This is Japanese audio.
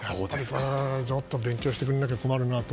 ちょっと勉強してくれないと困るなと。